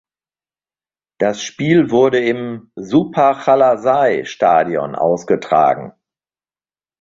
Das Spiel wurde im Suphachalasai-Stadion ausgetragen.